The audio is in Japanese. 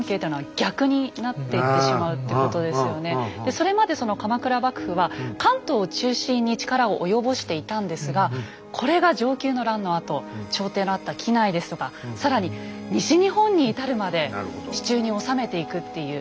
それまで鎌倉幕府は関東を中心に力を及ぼしていたんですがこれが承久の乱のあと朝廷のあった畿内ですとか更に西日本に至るまで手中に収めていくっていう。